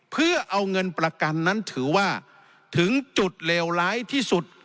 เพื่อเอาเงินประกันนั้นถือว่าถึงจุดเลวร้ายที่สุด